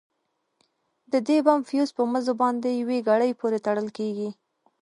د دې بم فيوز په مزو باندې يوې ګړۍ پورې تړل کېږي.